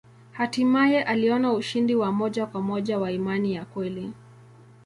Hatimaye aliona ushindi wa moja kwa moja wa imani ya kweli.